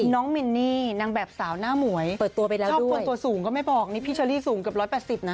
น้องมินนี่นางแบบสาวหน้าหมวยชอบคนตัวสูงก็ไม่บอกนี่พี่เชอรี่สูงกับ๑๘๐นะ